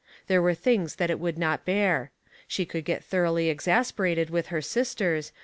There were things that it would not bear. She could get thoroughly exasperated with her sisters.